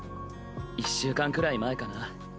１週間くらい前かな。